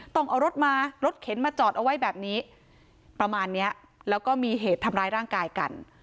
ต้องเอารถมารถเข็นมาจอดเอาไว้แบบนี้ประมาณเนี้ยแล้วก็มีเหตุทำร้ายร่างกายกัน